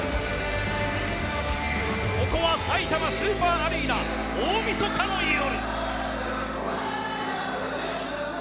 ここはさいたまスーパーアリーナ大みそかの夜。